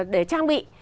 để trang bị